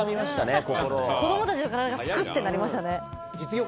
子供たちの体がスクってなりましたね。